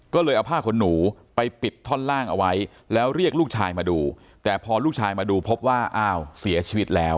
ก็เลยเอาผ้าขนหนูไปปิดท่อนล่างเอาไว้แล้วเรียกลูกชายมาดูแต่พอลูกชายมาดูพบว่าอ้าวเสียชีวิตแล้ว